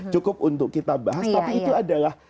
cukup untuk kita bahas tapi itu adalah